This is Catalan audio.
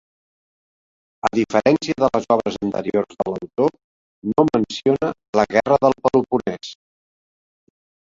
A diferència de les obres anteriors de l'autor, no menciona la Guerra del Peloponès.